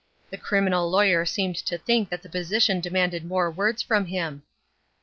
The criminal lawyer seemed to think that the position demanded more words from him.